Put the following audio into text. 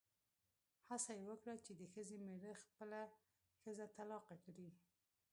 هڅه یې وکړه چې د ښځې مېړه خپله ښځه طلاقه کړي.